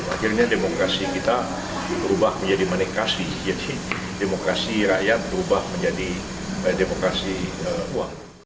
akhirnya demokrasi kita berubah menjadi manikasi jadi demokrasi rakyat berubah menjadi demokrasi uang